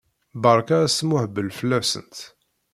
Berka asmuhbel fell-asent!